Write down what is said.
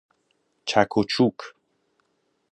چک و چوک